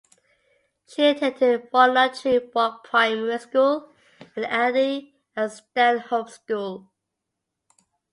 She attended Walnut Tree Walk Primary School and Addey and Stanhope School.